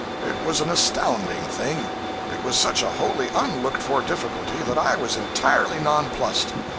It was an astounding thing; it was such a wholly unlooked for difficulty, that I was entirely nonplussed.